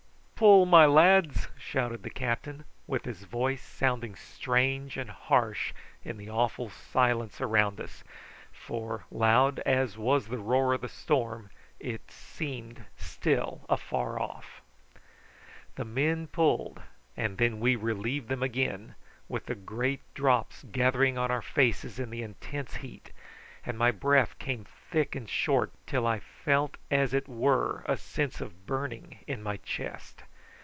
"Pull, my lads!" shouted the captain, with his voice sounding strange and harsh in the awful silence around us, for, loud as was the roar of the storm, it seemed still afar off. The men pulled, and then we relieved them again, with the great drops gathering on our faces in the intense heat; and my breath came thick and short, till I felt as it were a sense of burning in my chest.